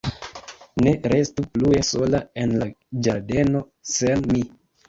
Ne restu plue sola en la ĝardeno, sen mi!